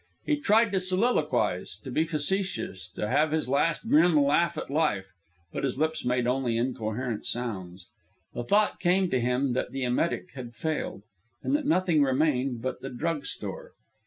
He tried to soliloquize, to be facetious, to have his last grim laugh at life, but his lips made only incoherent sounds. The thought came to him that the emetic had failed, and that nothing remained but the drug store.